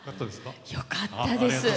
よかったですか？